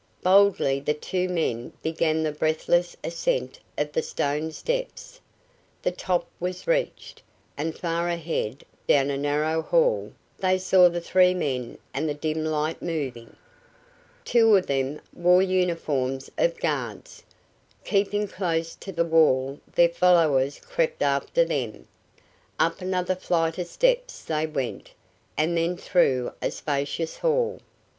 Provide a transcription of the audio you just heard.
Boldly the two men began the breathless ascent of the stone steps. The top was reached, and far ahead, down a narrow hall, they saw the three men and the dim light moving. Two of them wore uniforms of guards. Keeping close to the wall their followers crept after them. Up another flight of steps they went, and then through a spacious hall.